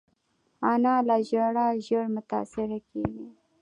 انا له ژړا ژر متاثره کېږي